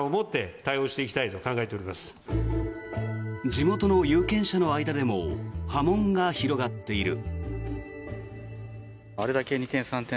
地元の有権者の間でも波紋が広がっている。